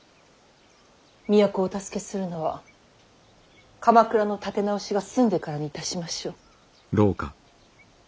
都をお助けするのは鎌倉の立て直しが済んでからにいたしましょう。